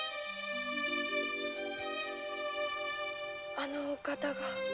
あのお方が？